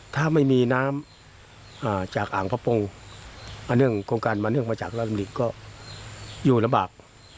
ถ้าไม่มีน้ำจากอ่างพระปงอันเนื่องโครงการมาเนื่องมาจากราชดำริก็อยู่ลำบาก